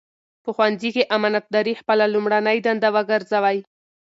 په ښوونځي کې امانتداري خپله لومړنۍ دنده وګرځوئ.